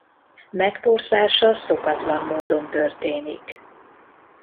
Megporzása szokatlan módon történik.